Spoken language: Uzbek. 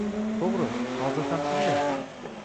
To'g'ri, hozir ham shunday